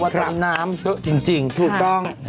วัตรวินน้ำจริงถูกต้อง